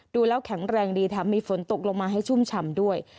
ดูแล้วแข็งแรงดีแถมมีฝนตกลงมาให้ชุ่มฉ่ำด้วย